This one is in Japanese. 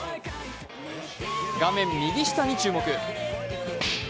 画面右下に注目。